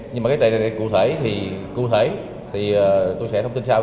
nhưng mà cái đại đại cụ thể thì tôi sẽ thông tin sau